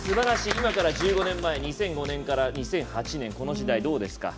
今から１５年前２００５年から２００８年この時代、どうですか？